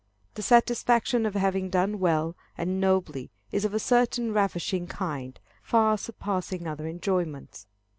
The satisfaction of having done well and nobly is of a certain ravishing kind, far surpassing other enjoyments.